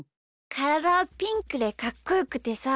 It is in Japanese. からだはピンクでかっこよくてさ。